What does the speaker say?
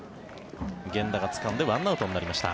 源田がつかんで１アウトになりました。